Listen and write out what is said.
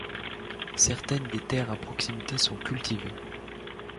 Certaines des terres à proximité sont cultivées.